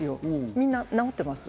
みんな治ってます。